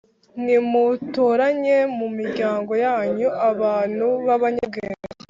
Nimutoranye mu miryango yanyu abantu b abanyabwenge